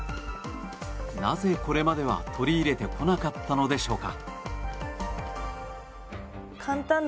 なぜ、これまでは取り入れてこなかったのでしょうか。